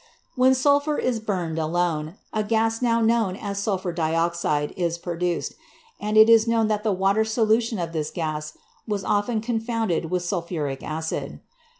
When sulphur is burned alone, a gas now known as sulphur dioxide is produced, and it is known that the water solution of this gas was often confounded with sulphuric acid.